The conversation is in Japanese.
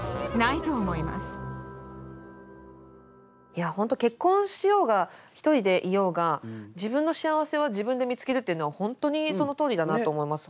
いや本当結婚しようが一人でいようが自分の幸せは自分で見つけるっていうのは本当にそのとおりだなと思います。